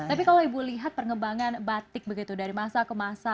tapi kalau ibu lihat pengembangan batik begitu dari masa ke masa